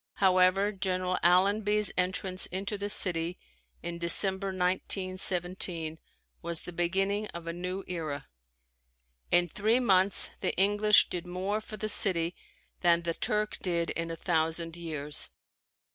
However, General Allenby's entrance into the city in December, 1917, was the beginning of a new era. In three months the English did more for the city than the Turk did in a thousand years.